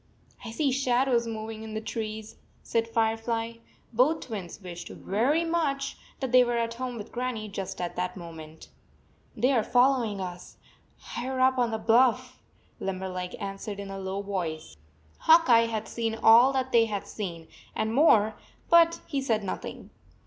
"I see shadows moving in the trees," said Firefly. Both twins wished very much 90 that they were at home with Grannie just at that moment. " They are following us/higher up on the bluff," Limberleg answered in a low voice. Hawk Eye had seen all that they had seen, and more, but he said nothing.